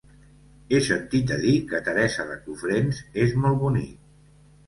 He sentit a dir que Teresa de Cofrents és molt bonic.